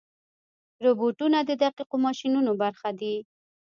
روبوټونه د دقیقو ماشینونو برخه دي.